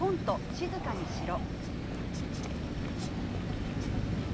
静かにしろ。